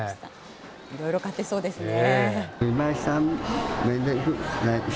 いろいろ買ってそうですね。